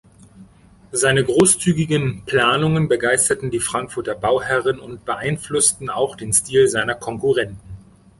Seine großzügigen Planungen begeisterten die Frankfurter Bauherren und beeinflussten auch den Stil seiner Konkurrenten.